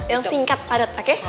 yang singkat padet oke